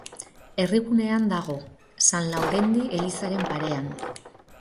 Herrigunean dago, San Laurendi elizaren parean.